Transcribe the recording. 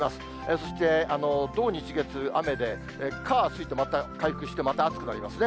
そして土日月、雨で、火水と、また回復して、また暑くなりますね。